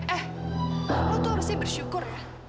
eh aku tuh harusnya bersyukur ya